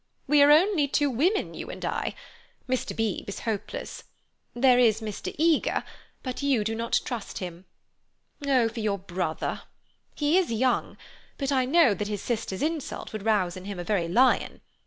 We are only two women, you and I. Mr. Beebe is hopeless. There is Mr. Eager, but you do not trust him. Oh, for your brother! He is young, but I know that his sister's insult would rouse in him a very lion.